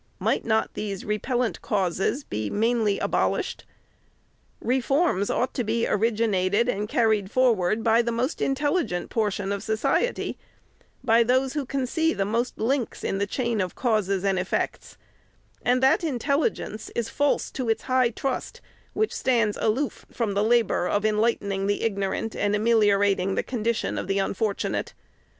might not these repellent causes be mainly abolished ? Reforms ought to be originated and carried forward by the intelligent portion of society ; by those who can see most links in the chain of causes and effects ; and that intelligence is false to its high trusts, which stands aloof from the labor of enlightening the ignorant and ameliorating the condition of the unfortu nate.